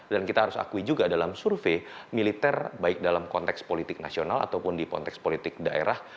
dan kita harus akui juga dalam survei militer baik dalam konteks politik nasional ataupun di konteks politik daerah